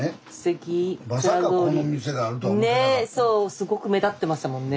すごく目立ってましたもんね。